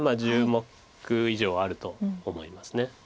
１０目以上あると思います。